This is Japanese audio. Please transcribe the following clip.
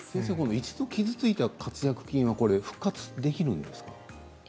一度傷ついた括約筋は復活できるんですか？